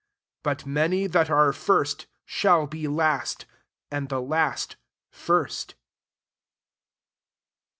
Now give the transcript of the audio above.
30 " But many that are first shall be last ; and the last first.